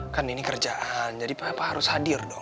kan ini kerjaan jadi harus hadir dong